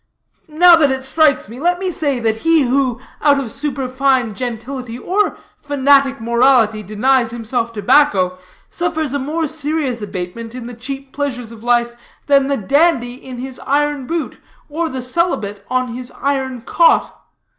Now that it strikes me, let me say, that he who, out of superfine gentility or fanatic morality, denies himself tobacco, suffers a more serious abatement in the cheap pleasures of life than the dandy in his iron boot, or the celibate on his iron cot.